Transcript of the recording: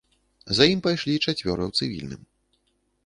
За ім пайшлі чацвёра ў цывільным.